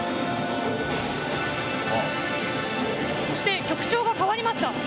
そして、曲調が変わりました。